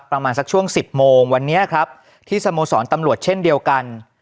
ประมาณสักช่วงสิบโมงวันนี้ครับที่สโมสรตำรวจเช่นเดียวกัน